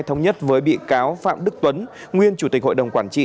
thống nhất với bị cáo phạm đức tuấn nguyên chủ tịch hội đồng quản trị